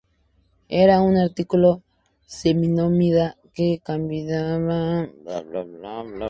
Era un agricultor seminómada, que cambiaba de lugar en forma posiblemente periódica.